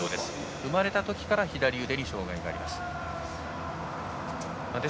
生まれたときから左腕に障がいがあります。